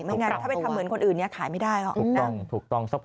ใช่นะถ้างั้นถ้าไปทำเหมือนคนอื่นเนี้ยขายไม่ได้เหรอถูกตรองถูกตรง